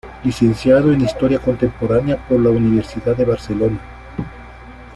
Licenciado en Historia Contemporánea por la Universidad de Barcelona.